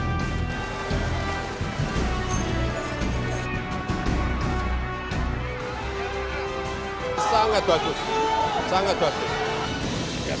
loh ni apakah kira kira itu kosong nih kemarin termasuk dengan ini